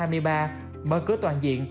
mở cửa toàn diện